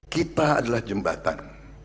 kita adalah jembatan